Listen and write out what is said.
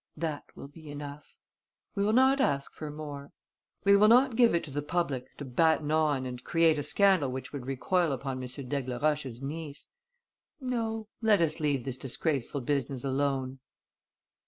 That will be enough. We will not ask for more. We will not give it to the public to batten on and create a scandal which would recoil upon M. d'Aigleroche's niece. No, let us leave this disgraceful business alone."